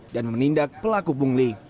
dan menindak pelaku pungli